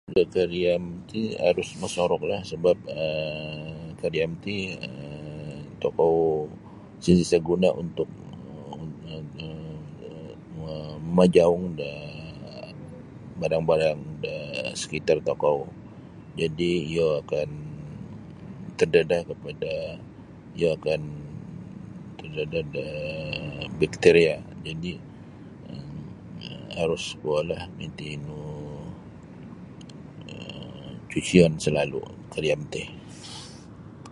Da kariam ti arus masoruklah sebap um kariam ti tokou santiasa guna untuk um ma mamajaung da um barang-barang daa sekitar tokou jadi iyo akan terdedah kepada iyo akan terdedah daa bekteria jadi um harus kuolah nu iti nu um cucion salalu kariam ti.